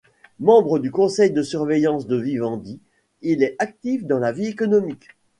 Membre du conseil de surveillance de Vivendi, il est actif dans la vie économique.